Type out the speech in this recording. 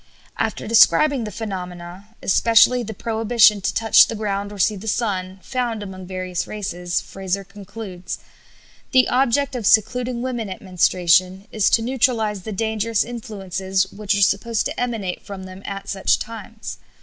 After describing the phenomena (especially the prohibition to touch the ground or see the sun) found among various races, Frazer concludes: "The object of secluding women at menstruation is to neutralize the dangerous influences which are supposed to emanate from them at such times.